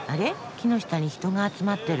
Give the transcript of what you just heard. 木の下に人が集まってる。